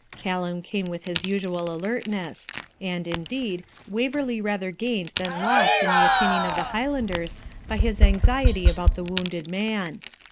Callum came with his usual alertness; and, indeed, Waverley rather gained than lost in the opinion of the Highlanders by his anxiety about the wounded man.